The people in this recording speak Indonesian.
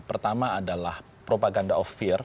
pertama adalah propaganda of fear